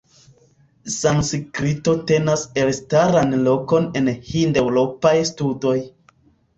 Sanskrito tenas elstaran lokon en Hindeŭropaj studoj.